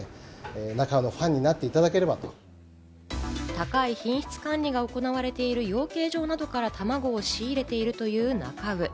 高い品質管理が行われている養鶏場などから、たまごを仕入れているという、なか卯。